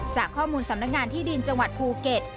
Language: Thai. จากข้อมูลสำนักงานที่ดินจังหวัดภูเก็ต